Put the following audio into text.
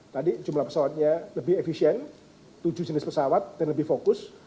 tadi jumlah pesawatnya lebih efisien tujuh jenis pesawat dan lebih fokus